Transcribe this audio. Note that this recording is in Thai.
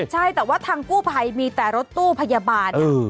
ใช่แต่ว่าทางกู้ภัยมีแต่รถตู้พยาบาล